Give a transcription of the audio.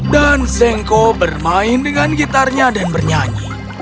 dan zengko bermain dengan gitarnya dan bernyanyi